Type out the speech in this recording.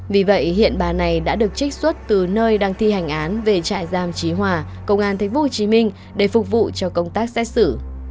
vì vậy hiện bà này đã được trích xuất từ nơi đang thi hành án về trại giam trí hòa công an tp hcm để phục vụ cho công tác xét xử